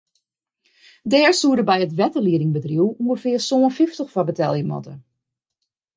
Dêr soed er by it wetterliedingbedriuw ûngefear sân fyftich foar betelje moatte.